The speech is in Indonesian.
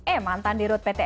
eh mantan dirut pt